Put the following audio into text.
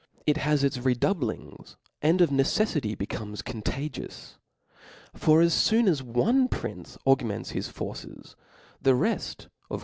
It (has its redoubliogs, and of necelTity becomes contagious. For as fooh as onp prince augments his forces, the reft of.